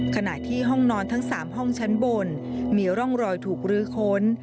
ขณะที่ห้องนอนทั้ง๓ห้องชั้นบนมีร่องรอยถูกรื้อค้น